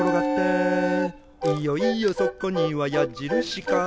「いよいよそこにはやじるしカー」